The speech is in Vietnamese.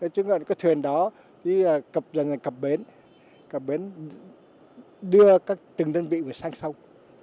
chứ có thuyền đó cặp dần cặp bến cặp bến đưa từng đơn vị sang sông